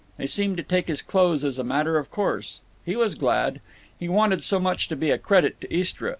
They seemed to take his clothes as a matter of course. He was glad. He wanted so much to be a credit to Istra.